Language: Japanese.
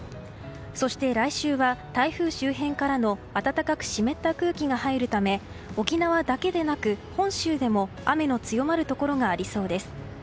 そして、来週は台風周辺からの暖かく湿った空気が入るため沖縄だけでなく本州でも雨の強まるところがありそうです。